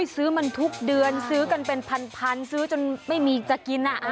ซื้อมันทุกเดือนซื้อกันเป็นพันซื้อจนไม่มีจะกิน